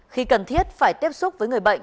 khi cần thiết phải tiếp xúc với người bệnh